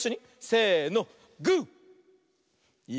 せの！